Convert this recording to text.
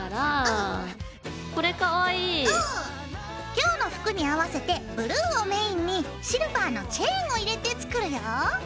今日の服に合わせてブルーをメインにシルバーのチェーンを入れて作るよ。